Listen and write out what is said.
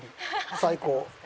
最高。